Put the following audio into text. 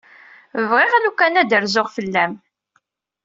Bɣiɣ lukan ad d-rzuɣ fell-m.